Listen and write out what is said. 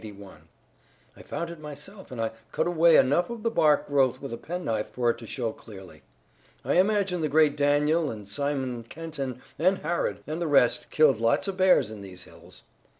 I found it myself, and I cut away enough of the bark growth with a penknife for it to show clearly. I imagine the great Daniel and Simon Kenton and Harrod and the rest killed lots of bears in these hills."